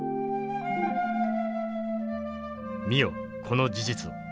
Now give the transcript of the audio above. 「見よこの事実を。